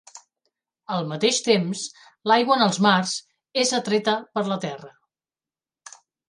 Al mateix temps, l'aigua en els mars és atreta per la Terra.